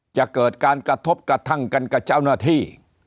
จะเกิดการกระทบกระทั่งกันกับเจ้าหน้าที่